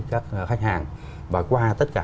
các khách hàng và qua tất cả